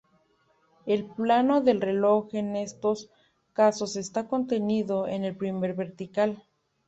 El plano del reloj en estos casos está contenido en el "primer vertical".